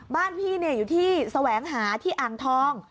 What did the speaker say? บ้านพี่อยู่ที่แสวงหาที่อ่างทอง